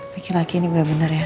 pikir laki ini udah bener ya